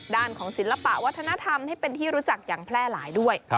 ด้านของศิลปะวัฒนธรรมให้เป็นที่รู้จักอย่างแพร่หลายด้วย